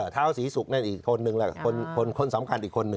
เท้าศรีศุกร์นั่นอีกคนนึงแหละคนสำคัญอีกคนหนึ่ง